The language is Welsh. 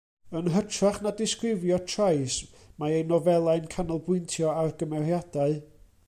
Yn hytrach na disgrifio trais mae ei nofelau'n canolbwyntio ar gymeriadu.